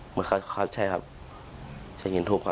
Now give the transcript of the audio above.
เขาใช้หินทุกครับใช่ครับใช้หินทุกครับ